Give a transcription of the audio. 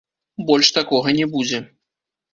Больш такога не будзе.